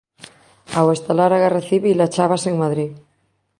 Ao estalar a guerra civil achábase en Madrid.